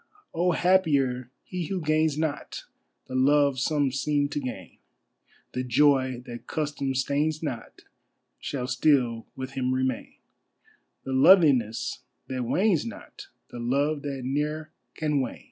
Oh, happier he who gains not The Love some seem to gain: The joy that custom stains not Shall still with him remain, The loveliness that wanes not, The love that ne'er can wane.